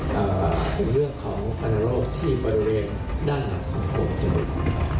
เป็นเรื่องของอาณาโรคที่บริเวณด้านหลังของโรคจมูก